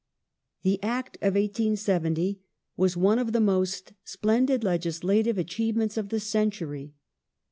The Act of 1870 was one of the most splendid legislative achievements of the century.